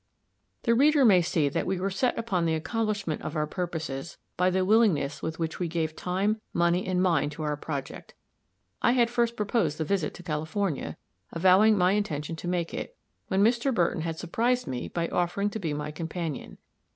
The reader may see that we were set upon the accomplishment of our purposes by the willingness with which we gave time, money and mind to our object. I had first proposed the visit to California, avowing my intention to make it, when Mr. Burton had surprised me by offering to be my companion.